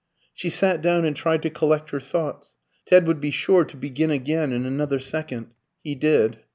She sat down and tried to collect her thoughts. Ted would be sure to begin again in another second. He did.